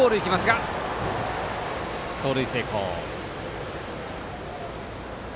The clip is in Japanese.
盗塁成功。